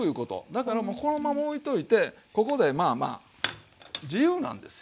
だからこのままおいといてここでまあまあ自由なんですよ。